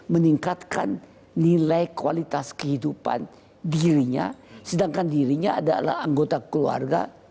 meningkatkan nilai kualitas kehidupan dirinya sedangkan dirinya adalah anggota keluarga